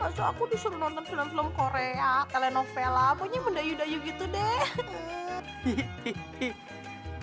masa aku disuruh nonton film film korea telenovel apanya mendayu dayu gitu deh